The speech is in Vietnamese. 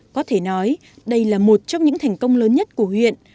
có thể nói đây là một trong những thành công lớn nhất của huyện